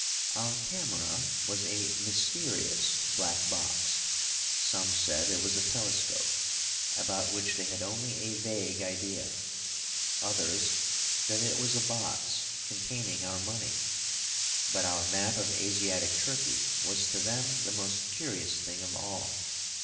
Our camera was a "mysterious" black box. Some said it was a telescope, about which they had only a vague idea; others, that it was a box containing our money. But our map of Asiatic Turkey was to them the most curious thing of all.